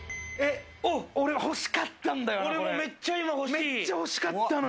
これ欲しかったんだよな。